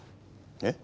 えっ？